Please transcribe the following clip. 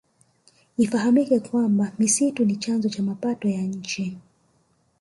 Ifahamike kwamba misitu ni chanzo cha mapato ya nchi